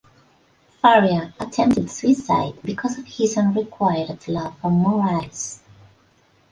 Faria attempted suicide because of his unrequited love for Moraes.